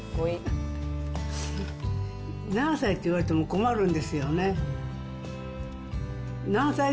何歳って言われても困るんですよね。